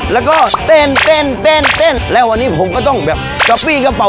แล้วก็เต้นเต้นเต้นเต้นแล้ววันนี้ผมก็ต้องแบบกระปี้กระเป๋า